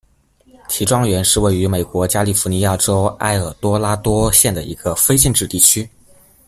齐庄园是位于美国加利福尼亚州埃尔多拉多县的一个非建制地区。